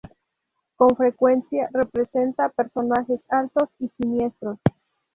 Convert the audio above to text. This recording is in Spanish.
Con frecuencia representa a personajes altos y siniestros.